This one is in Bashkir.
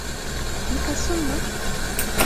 Кит, ысынмы?